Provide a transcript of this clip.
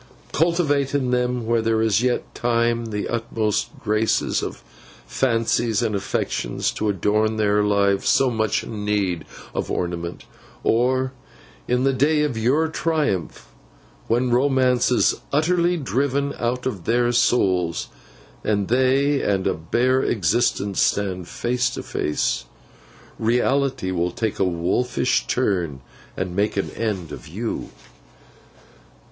Cultivate in them, while there is yet time, the utmost graces of the fancies and affections, to adorn their lives so much in need of ornament; or, in the day of your triumph, when romance is utterly driven out of their souls, and they and a bare existence stand face to face, Reality will take a wolfish turn, and make an end of you.